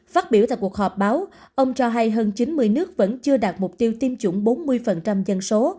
phát biểu tại cuộc họp báo ông cho hay hơn chín mươi nước vẫn chưa đạt mục tiêu tiêm chủng bốn mươi dân số